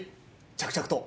着々と。